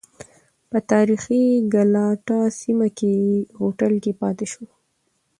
په تاریخی ګلاټا سیمه کې یې هوټل کې پاتې شو.